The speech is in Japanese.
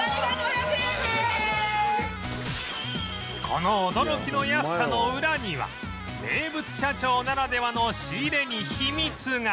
この驚きの安さのウラには名物社長ならではの仕入れに秘密が